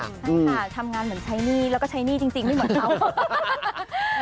ใช่ค่ะทำงานเหมือนใช้หนี้แล้วก็ใช้หนี้จริงไม่เหมือนเขา